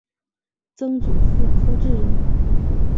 曾祖父柯志仁。